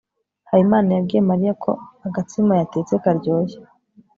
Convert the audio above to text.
habimana yabwiye mariya ko agatsima yatetse karyoshye